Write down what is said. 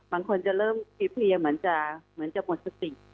บางคนจะเริ่มเพลียเหมือนจะหมดสติ